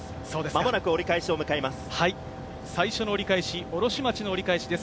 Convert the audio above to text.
間もなく、折り返しを迎えます。